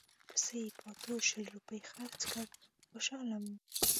پسه یې په اتو شل روپیو خرڅ کړ خوشاله وو.